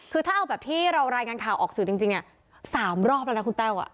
คือถ้าเอาแบบที่เรารายงานข่าวออกสื่อจริงเนี่ย๓รอบแล้วนะคุณแต้ว